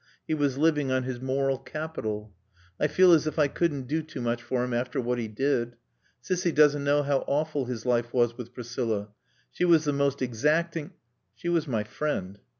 He was living on his moral capital.... I feel as if I couldn't do too much for him after what he did. Cissy doesn't know how awful his life was with Priscilla. She was the most exacting " "She was my friend."